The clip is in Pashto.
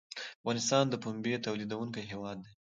افغانستان د پنبې تولیدونکی هیواد دی